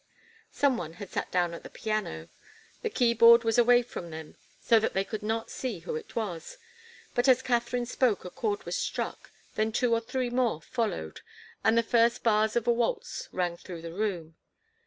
Some one had sat down at the piano. The keyboard was away from them, so that they could not see who it was, but as Katharine spoke a chord was struck, then two or three more followed, and the first bars of a waltz rang through the room.